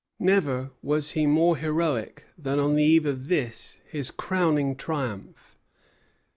Never was he more heroic than on the eve of this, his crowning triumph.